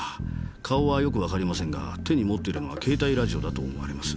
顔はよくわかりませんが手に持っているのは携帯ラジオだと思われます。